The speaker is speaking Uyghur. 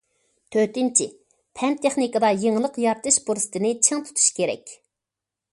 تۆتىنچى، پەن- تېخنىكىدا يېڭىلىق يارىتىش پۇرسىتىنى چىڭ تۇتۇش كېرەك.